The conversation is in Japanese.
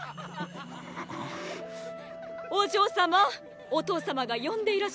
お嬢様お父様が呼んでいらっしゃいます。